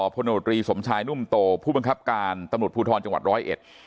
โนตรีสมชายนุ่มโตผู้บังคับการตำรวจภูทรจังหวัดร้อยเอ็ด